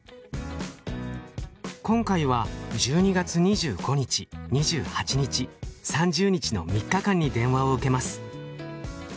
今回は１２月２５日２８日３０日の３日間に電話を受けます。